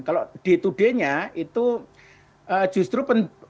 kalau d dua d nya itu justru